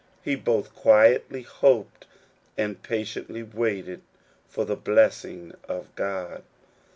He both quietly hoped and patiently waited for the blessing of God.